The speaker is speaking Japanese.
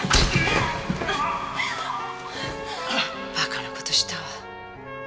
バカな事したわ。